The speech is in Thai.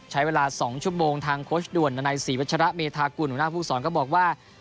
ใช้เวลาสองชั่วโมงทางโค้ชด่วนดันไนสี่วัชระเมธากุลหัวหน้าภูกษรก็บอกว่า